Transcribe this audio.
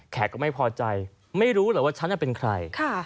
ก็ไม่พอใจไม่รู้หรอกว่าฉันเป็นใคร